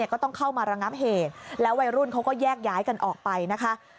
ก็ต้องเข้ามาระงับเหตุแล้ววัยรุ่นเขาก็แยกย้ายกันออกไปนะคะ